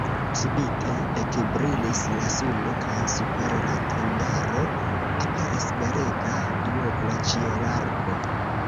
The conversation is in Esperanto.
Subite ekbrilis la suno kaj super la tendaro aperis belega duobla ĉielarko.